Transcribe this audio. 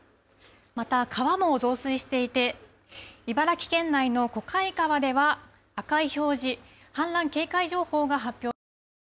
また、川も増水していて、茨城県内の小貝川では、赤い表示、氾濫警戒情報が発表されています。